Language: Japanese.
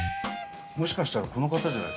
もしかしたらこの方じゃないですか。